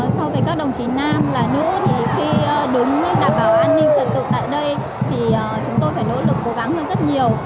so với các đồng chí nam là nữ thì khi đứng đảm bảo an ninh trật tự tại đây thì chúng tôi phải nỗ lực cố gắng hơn rất nhiều